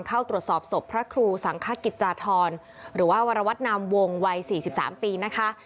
เข้าตรวจสอบศพพระครูสังคกิจจาธรหรือว่าวรวัตนามวงวัย๔๓ปีนะคะ